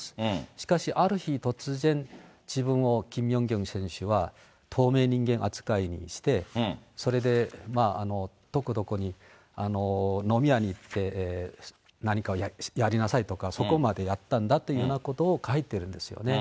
しかしある日突然、自分をキム・ヨンギョン選手は透明人間あつかいにして、それで、どこどこに飲み屋に行って、何かをやりなさいとかそこまでやったんだというようなことを書いてるんですよね。